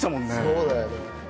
そうだよね。